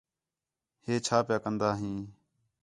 ہے چھا پیا کَندہ ہیں؟